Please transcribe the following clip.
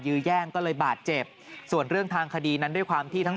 ยื้อแย่งก็เลยบาดเจ็บส่วนเรื่องทางคดีนั้นด้วยความที่ทั้ง